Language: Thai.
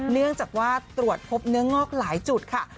เนื่องจากว่าตรวจพบเนื้องอกหลายจุดค่ะ